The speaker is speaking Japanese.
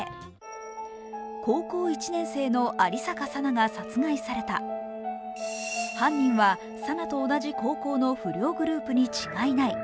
高校１年生の有坂紗奈が殺害された犯人は紗奈と同じ高校の不良グループに違いない。